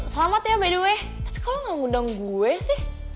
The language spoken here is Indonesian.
selamat ya by the way tapi kalau nggak ngundang gue sih